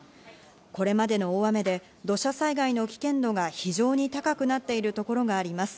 これまでの大雨で土砂災害の危険度が非常に高くなっているところがあります。